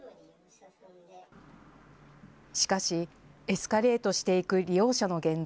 しかし、エスカレートしていく利用者の言動。